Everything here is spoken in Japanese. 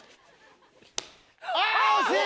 あ惜しい！